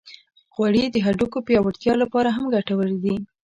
غوړې د هډوکو پیاوړتیا لپاره هم ګټورې دي.